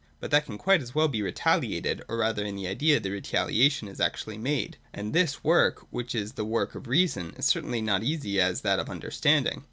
But that can quite as well be retaliated, or rather in the Idea the retaliation is actually made. And this work, which is the work of reason, is certainly not so easy as that of the understanding.